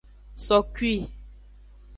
Sokui.